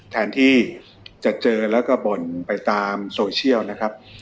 แทนที่จะเจอแล้วก็บ่นไปตามโซเชียลนะครับ